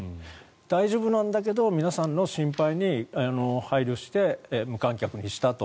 大丈夫なんだけど皆さんの心配に配慮して無観客にしたと。